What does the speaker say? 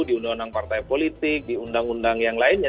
di undang undang partai politik di undang undang yang lainnya